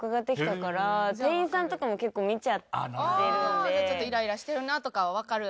ああじゃあちょっとイライラしてるなとかはわかる。